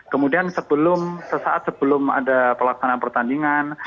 kemudian sesaat sebelum ada pelaksanaan pertandingan